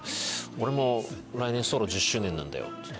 「俺も来年ソロ１０周年なんだよ。